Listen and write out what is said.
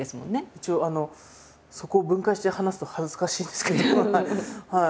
一応あのそこを分解して話すと恥ずかしいんですけどはい。